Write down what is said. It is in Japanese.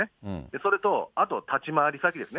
それとあと立ち回り先ですね。